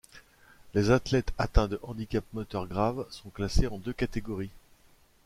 Les athlètes atteints de handicap moteur grave sont classés en deux catégories.